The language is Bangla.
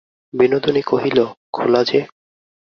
বিনোদিনী কহিল, খোলা যে?